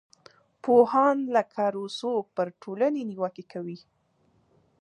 پوهان لکه روسو پر ټولنې نیوکې وکړې.